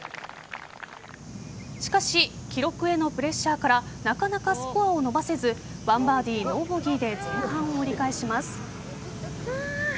しかし記録へのプレッシャーからなかなかスコアを伸ばせず１バーディー、ノーボギーで前半を折り返します。